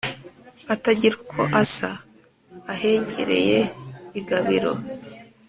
atagira uko asa ahegereye i Gabiro